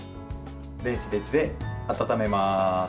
電子レンジで温めます。